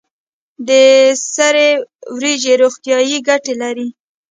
د سرې وریجې روغتیایی ګټې لري.